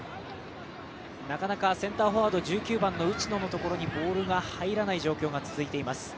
なかなかセンターフォワード、１９番の内野のところにボールが入らない状況が続いています。